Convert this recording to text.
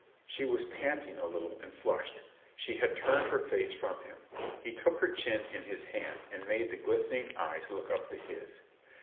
She was panting a little and flushed. She had turned her face from him. He took her chin in his hand .and made the glistening eyes look up to his.